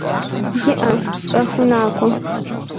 ИӀэ, щӀэхыу накӏуэ.